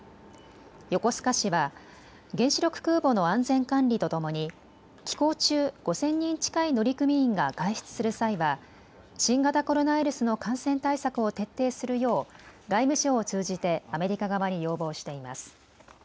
横須賀市は原子力空母の安全管理とともに寄港中、５０００人近い乗組員が外出する際は新型コロナウイルスの感染対策を徹底するよう外務省を通じてアメリカ側に要望しています。